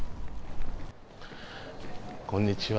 こんにちは。